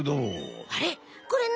あれ？